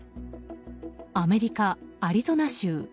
アメリカ・アリゾナ州。